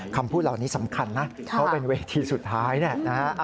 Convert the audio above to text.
คำพูดเหล่านี้สำคัญนะเขาเป็นเวทีสุดท้ายนะ